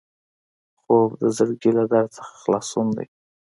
خوب د زړګي له درد څخه خلاصون دی